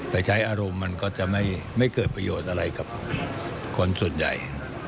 ไปใช้อารมณ์มันก็จะไม่เกิดประโยชน์อะไรกับคนส่วนใหญ่